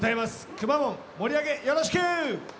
くまモン盛り上げよろしく！